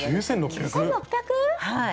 ９，６００⁉はい。